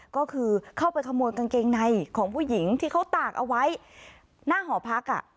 ก็คือเข้าไปขโมยกางเกงในของผู้หญิงที่เขาตากเอาไว้หน้าหอพัก